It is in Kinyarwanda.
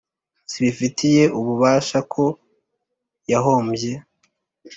zibifitiye ububasha ko yahombye;